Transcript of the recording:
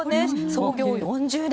創業４０年。